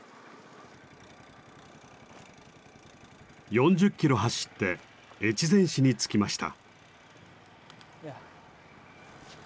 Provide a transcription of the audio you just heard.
４０キロ走って越前市に着きました。